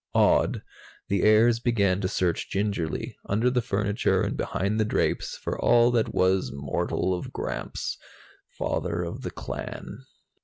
Awed, the heirs began to search gingerly, under the furniture and behind the drapes, for all that was mortal of Gramps, father of the clan.